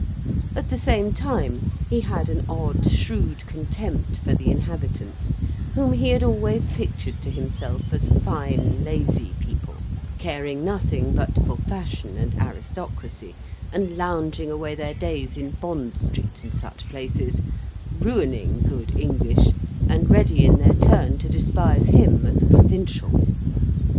At the same time he had an odd, shrewd, contempt for the inhabitants; whom he had always pictured to himself as fine, lazy people; caring nothing but for fashion and aristocracy, and lounging away their days in Bond Street, and such places; ruining good English, and ready in their turn to despise him as a provincial.